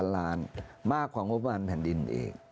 ล้านมากกว่างบประมาณแผ่นดินอีก